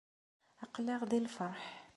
Aql-aɣ di lferḥ.